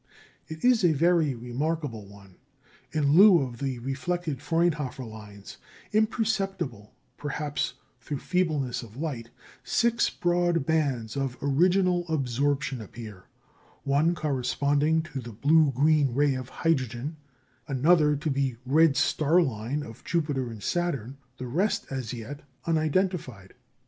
It is a very remarkable one. In lieu of the reflected Fraunhofer lines, imperceptible perhaps through feebleness of light, six broad bands of original absorption appear, one corresponding to the blue green ray of hydrogen (F), another to the "red star line" of Jupiter and Saturn, the rest as yet unidentified.